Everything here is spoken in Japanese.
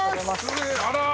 あら。